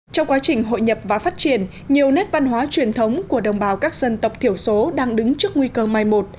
trong quá trình hội nhập và phát triển nhiều nét văn hóa truyền thống của đồng bào các dân tộc thiểu số đang đứng trước nguy cơ mai một